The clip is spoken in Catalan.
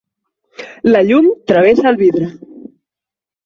La llum travessa el vidre.